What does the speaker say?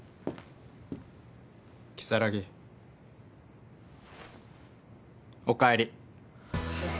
如月おかえり。